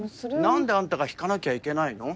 何であんたが引かなきゃいけないの？